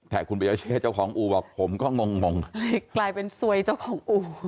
แต่คุณบัญญาเชษเจ้าของอูว่าผมก็งงกลายเป็นสวยเจ้าของอู